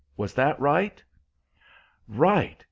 Was that right?" Right!